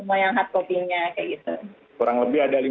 tapi udah kesempatan semua yang hard copy nya kayak gitu